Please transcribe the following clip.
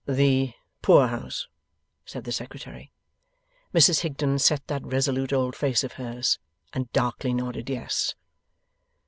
'The Poor house?' said the Secretary. Mrs Higden set that resolute old face of hers, and darkly nodded yes.